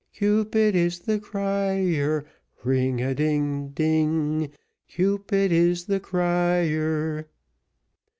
Cupid is the crier, Ring a ding, a ding, Cupid is the crier.